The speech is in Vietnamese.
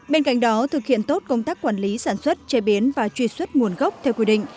bên cạnh đó thực hiện tốt công tác quản lý sản xuất chế biến và truy xuất nguồn gốc theo quy định